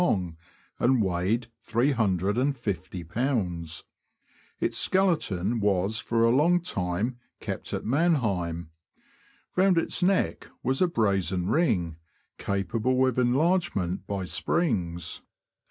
long, and weighed 35olb. Its skeleton was for a long time kept at Mannheim. Round its neck was a brazen ring, capable of enlarge ment by springs.